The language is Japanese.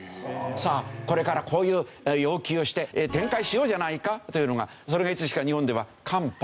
さあこれからこういう要求をして展開しようじゃないかというのがそれがいつしか日本では「カンパ」。